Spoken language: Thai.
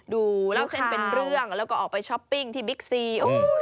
ดูเล่าเส้นเป็นเรื่องแล้วก็ออกไปช้อปปิ้งที่บิ๊กซี